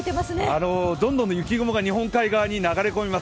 どんどん雪雲が日本海側に流れ込みます。